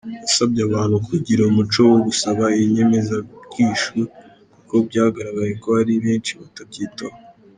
Yasabye abantu kugira umuco wo gusaba inyemezabwishyu kuko byagaragaye ko hari benshi batabyitaho.